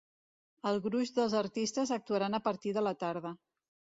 El gruix dels artistes actuaran a partir de la tarda.